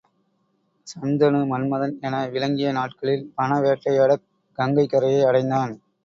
சந்தனு மன்மதன் என விளங்கிய நாட்களில் வன வேட்டையாடக் கங்கைக் கரையை அடைந்தான்.